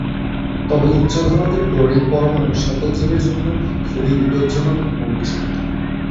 তবে উচ্চ ঘনত্বের ক্লোরিন পরমাণু সকল জীবের জন্য খুবই বিপদজনক এবং বিষাক্ত।